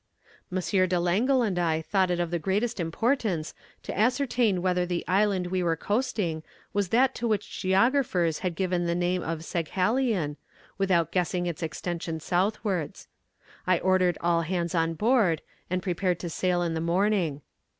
"M. de Langle and I thought it of the greatest importance to ascertain whether the island we were coasting was that to which geographers had given the name of Saghalien, without guessing its extension southwards. I ordered all hands on board, and prepared to sail in the morning.